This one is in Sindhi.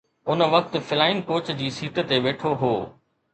ان وقت فلائنگ ڪوچ جي سيٽ تي ويٺو هو